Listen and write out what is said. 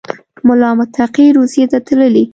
ملا متقي روسیې ته تللی